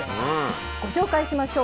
ご紹介しましょう。